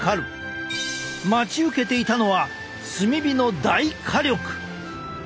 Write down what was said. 待ち受けていたのは炭火の大火力！